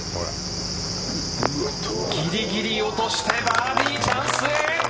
ぎりぎり落としてバーディーチャンス。